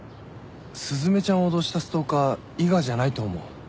雀ちゃんを脅したストーカー伊賀じゃないと思う。